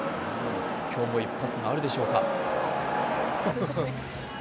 今日も一発があるでしょうか。